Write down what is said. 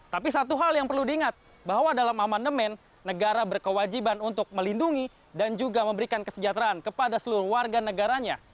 tapi satu hal yang perlu diingat bahwa dalam amandemen negara berkewajiban untuk melindungi dan juga memberikan kesejahteraan kepada seluruh warga negaranya